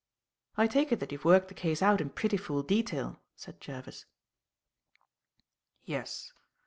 "I take it that you have worked the case out in pretty full detail," said Jervis. "Yes.